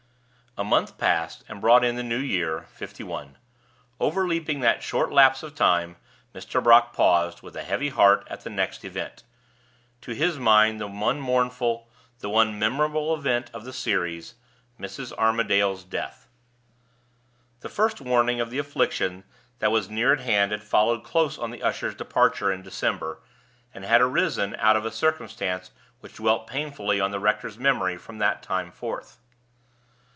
A month passed, and brought in the new year '51. Overleaping that short lapse of time, Mr. Brock paused, with a heavy heart, at the next event; to his mind the one mournful, the one memorable event of the series Mrs. Armadale's death. The first warning of the affliction that was near at hand had followed close on the usher's departure in December, and had arisen out of a circumstance which dwelt painfully on the rector's memory from that time forth.